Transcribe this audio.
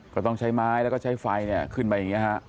ก็ต้องใช้ไม้แล้วก็ใช้ไฟเนี่ยขึ้นไปอย่างนี้ฮะ